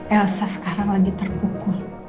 elsa sekarang lagi terpukul